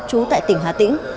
trú tại tỉnh hà tĩnh